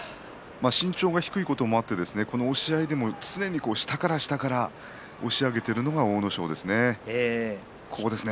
身長が少し低いこともあって押し合いでも下から下から押し上げているのが、阿武咲ですね。